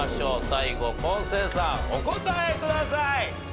最後昴生さんお答えください。